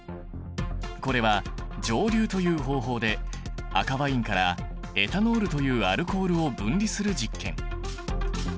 これは蒸留という方法で赤ワインからエタノールというアルコールを分離する実験。